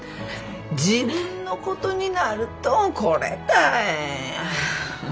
自分のことになるとこれたい。